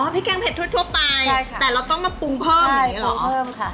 พริกแกงเผ็ดทั่วใช่แต่เราต้องมาปรุงเพิ่มมั้ยอาหรอใช่ปรุงเพิ่มค่ะ